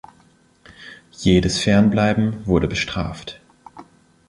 Jedes Fernbleiben wurde bestraft.